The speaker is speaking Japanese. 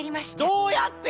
どうやって！？